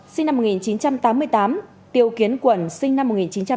sinh năm một nghìn chín trăm tám mươi tám tiêu kiến quẩn sinh năm một nghìn chín trăm tám mươi